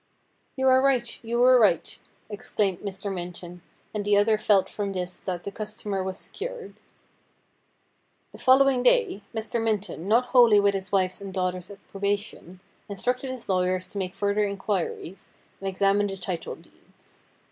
' You are right, you are right !' exclaimed Mr. Minton, and the other felt from this that the customer was secured. THE BLOOD DRIPS 209 The following day, Mr. Minton, not wholly with his wife's and daughter's approbation, instructed his lawyers to make further inquiries, and examine the title deeds.